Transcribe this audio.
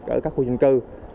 ở các khu dân cư